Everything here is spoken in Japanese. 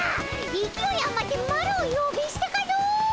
いきおいあまってマロをよびすてかの！？